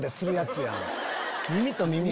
耳と耳が。